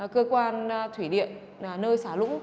cơ quan thủy điện nơi xả lũ